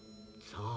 さあ。